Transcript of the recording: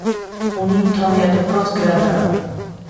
Ունի ութամյա դպրոց, գրադարան։